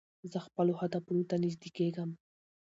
زه خپلو هدفونو ته نژدې کېږم.